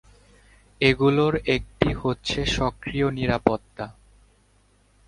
এগুলোর একটি হচ্ছে সক্রিয় নিরাপত্তা।